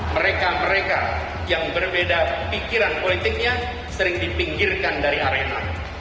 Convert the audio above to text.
mereka mereka yang berbeda pikiran politiknya sering dipinggirkan dari arena